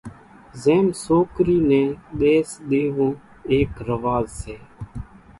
زيم سوڪرِي نين ۮيس ۮيوون ايڪ رواز سي۔